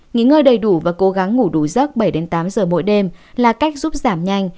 nghỉ ngơi đầy đủ và cố gắng ngủ đủ giấc bảy tám giờ mỗi đêm là cách giúp giảm nhanh